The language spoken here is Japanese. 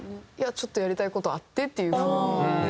「ちょっとやりたい事あって」っていう風に。